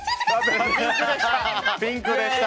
ピンクでした。